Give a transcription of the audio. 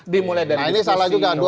dimulai dari diskusi